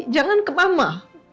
jangan ke mama